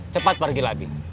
cepat pergi lagi